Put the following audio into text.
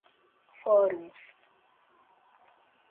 fóruns